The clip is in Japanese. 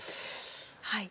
はい。